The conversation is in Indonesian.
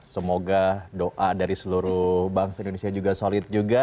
semoga doa dari seluruh bangsa indonesia juga solid juga